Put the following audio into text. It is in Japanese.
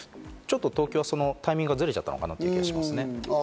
東京はタイミングがずれちゃったのかなという気がします。